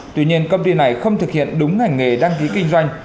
tuy nhiên công ty này không thực hiện đúng ngành nghề đăng ký kinh doanh